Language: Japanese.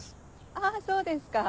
あぁそうですか。